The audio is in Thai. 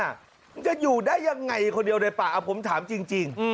มันจะอยู่ได้ยังไงคนเดียวในป่าเอาผมถามจริง